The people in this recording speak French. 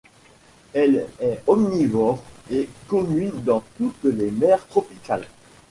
Elle est omnivore et commune dans toutes les mers tropicales.